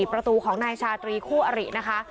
ประตูของนายชาตรีคู่อรินะคะ